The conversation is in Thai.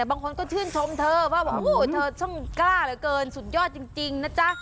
บางคนก็ชื่นชมเธอว่าเธอช่องกล้าเหลือเกินสุดยอดจริงนะจ๊ะ